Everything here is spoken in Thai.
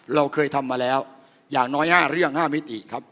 เราเคยทำมาแล้วอย่างน้อย๕เรื่อง๕มิติครับ